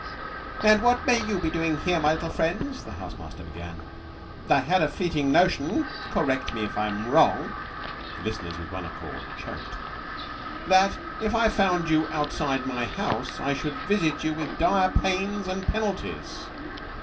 "And what may you be doing here, my little friends?" the house master began. "I had a fleeting notion correct me if I am wrong" (the listeners with one accord choked) "that if I found you outside my house I should visit you with dire pains and penalties."